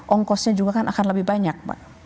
ongkosnya juga kan akan lebih banyak